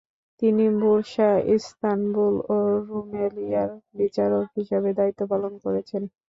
তিনি Bursa, Istanbul ও রুমেলিয়ায় বিচারক হিসেবে দায়িত্বপালন করেছেন।